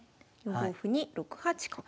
４五歩に６八角。